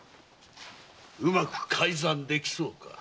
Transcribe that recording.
うまく改ざんできそうか？